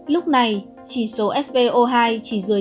lúc này chỉ số spo hai chỉ dưới chín mươi